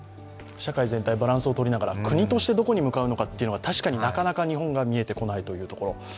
社会全体バランスを取りながら、国としてどこに向かうのかというのが確かになかなか日本が見えてこないというところ。